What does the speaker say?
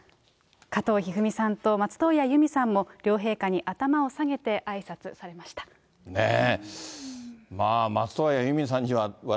加藤一二三さんと松任谷由実さんも両陛下に頭を下げてあいさつさねえ。